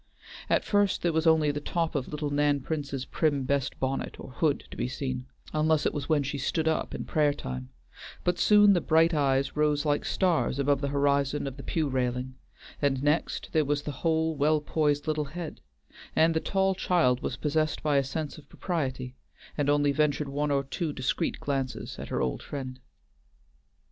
At first there was only the top of little Nan Prince's prim best bonnet or hood to be seen, unless it was when she stood up in prayer time, but soon the bright eyes rose like stars above the horizon of the pew railing, and next there was the whole well poised little head, and the tall child was possessed by a sense of propriety, and only ventured one or two discreet glances at her old friend.